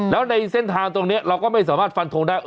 แล้วในเส้นทางตรงนี้เราก็ไม่สามารถฟันทงได้